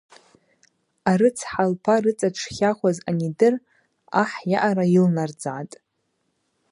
Арыцхӏа лпа рыцӏа дшхахваз анидыр ахӏ йаъара йылнардзгӏатӏ.